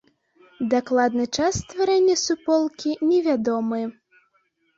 Дакладны час стварэння суполкі невядомы.